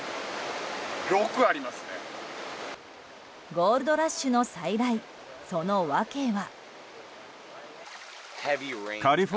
ゴールドラッシュの再来その訳は。